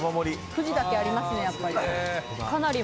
富士だけありますね、やっぱり。